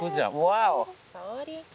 ワオ！